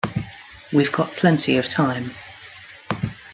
We've got plenty of time.